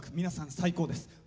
皆さん最高です。